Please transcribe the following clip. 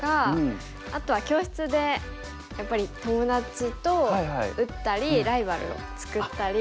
あとは教室でやっぱり友達と打ったりライバルを作ったり。